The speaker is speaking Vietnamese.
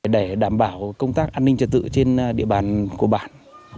để đảm bảo công tác an ninh trở tự trên địa bàn của bạn